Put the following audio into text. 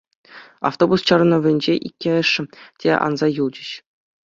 Автобус чарӑнӑвӗнче иккӗш те анса юлчӗҫ.